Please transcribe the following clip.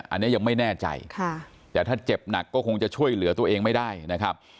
อันนี้ยังไม่แน่ใจแต่ถ้าเจ็บหนักก็คงจะช่วยเหลือตัวเองไม่ได้นะครับ